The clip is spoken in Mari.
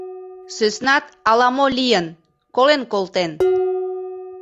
Сӧснат ала-мо лийын, колен колтен.